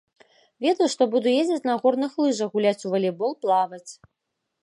Ведаю, што буду ездзіць на горных лыжах, гуляць у валейбол, плаваць.